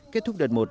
kết thúc đợt một